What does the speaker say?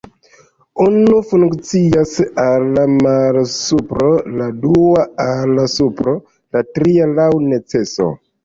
Unu funkcias al malsupro, la dua al supro, la tria laŭ neceso.